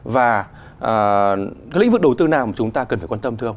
và lĩnh vực đầu tư nào mà chúng ta cần phải quan tâm thưa ông